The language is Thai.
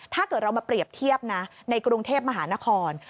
ถ้าเกิดเรามาเปรียบเทียบนะในกรุงเทพมหานคร